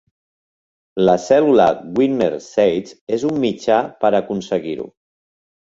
La cèl·lula Wigner-Seitz és un mitjà per a aconseguir-ho.